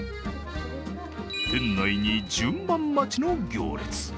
店内に順番待ちの行列。